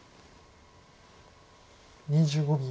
２５秒。